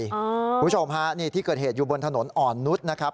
คุณผู้ชมฮะนี่ที่เกิดเหตุอยู่บนถนนอ่อนนุษย์นะครับ